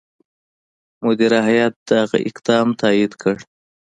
مدیره هیات دغه اقدام تایید کړ.